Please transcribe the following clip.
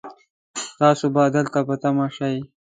تاسو به دلته په تمه شئ